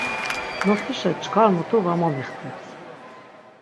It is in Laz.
Nosişa çkar mutu va momixteps.